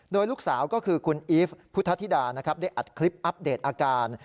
โดยลูกสาวก็คือคุณอีฟพุทธธิดานะครับได้อัดคลิปอัปเดตอาการ